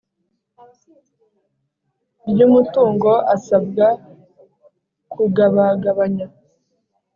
ry umutungo asabwa kugabagabanya